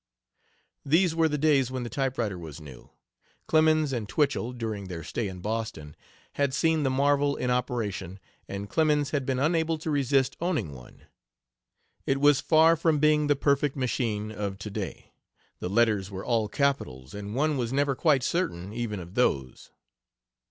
These were the days when the typewriter was new. Clemens and Twichell, during their stay in Boston, had seen the marvel in operation, and Clemens had been unable to resist owning one. It was far from being the perfect machine of to day; the letters were all capitals, and one was never quite certain, even of those.